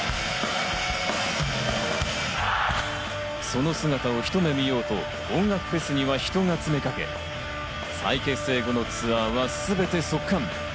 その姿を、ひと目見ようと音楽フェスには人が詰めかけ、再結成後のツアーはすべて即完。